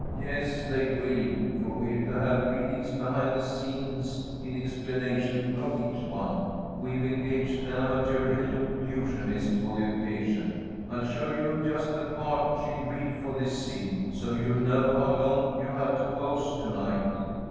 "Yes, they will, for we're to have readings behind the scenes in explanation of each one. We've engaged an amateur elocutionist for the occasion. I'll show you just the part she'll read for this scene, so you'll know how long you have to pose to night.